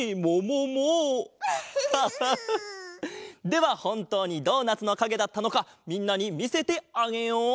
ではほんとうにドーナツのかげだったのかみんなにみせてあげよう。